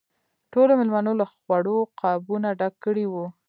ټولو مېلمنو له خوړو قابونه ډک کړي وو.